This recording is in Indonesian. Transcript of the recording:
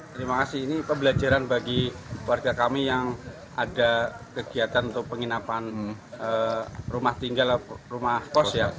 terima kasih ini pembelajaran bagi warga kami yang ada kegiatan untuk penginapan rumah tinggal rumah kos ya